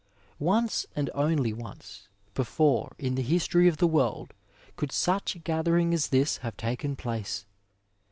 Once, and only once, before in the history of the world could such a gathering as this have taken place.